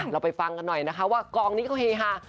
เราไปฟังกันหน่อยนะคะว่ากองนี้เขาเฮฮา